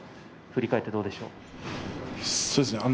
振り返ってどうでしたか？